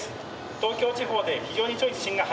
東京地方で非常に強い地震が発生しました。